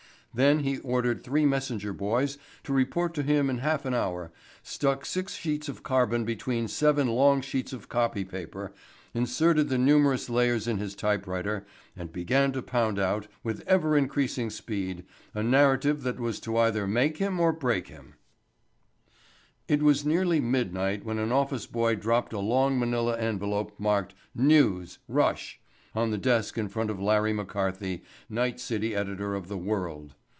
Then he ordered three messenger boys to report to him in half an hour, stuck six sheets of carbon between seven long sheets of copy paper, inserted the numerous layers in his typewriter and began to pound out, with ever increasing speed, a narrative that was to either make or break him. It was nearly midnight when an office boy dropped a long manila envelope marked "NEWS—RUSH" on the desk in front of Larry McCarthy, night city editor of the World.